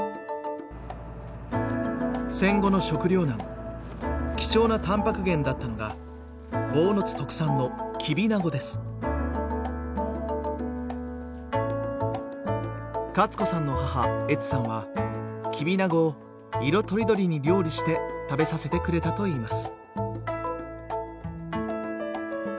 戦後の食糧難貴重なたんぱく源だったのが坊津特産のカツ子さんの母エツさんはキビナゴを色とりどりに料理して食べさせてくれたといいます。